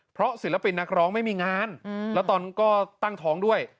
เพราะศิลปินนักร้องไม่มีงานแล้วตอนก็ตั้งท้องด้วย